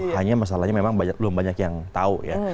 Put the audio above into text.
hanya masalahnya memang belum banyak yang tahu ya